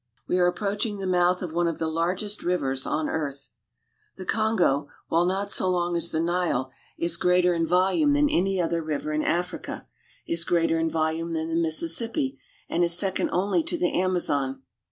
We are approaching the mouth of one of the largest rivers on earth. The Kongo, while not so long as the Nile, is greater in Southern Africa. volume than any other river in Africa, is greater in volume than the Mississippi, aud is second only to the Amazon.